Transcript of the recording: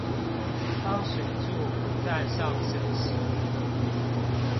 當水柱不再上升時